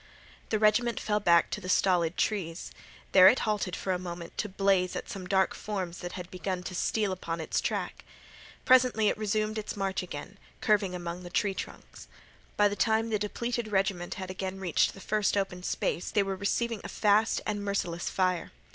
The regiment fell back to the stolid trees. There it halted for a moment to blaze at some dark forms that had begun to steal upon its track. Presently it resumed its march again, curving among the tree trunks. By the time the depleted regiment had again reached the first open space they were receiving a fast and merciless fire.